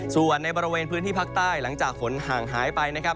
ส่วนในบริเวณพื้นที่ภาคใต้หลังจากฝนห่างหายไปนะครับ